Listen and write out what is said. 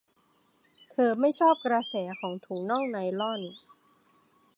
เธอไม่ชอบกระแสของถุงน่องไนลอน